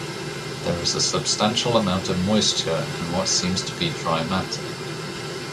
There is a substantial amount of moisture in what seems to be dry matter.